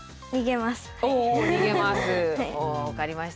お「逃げます」。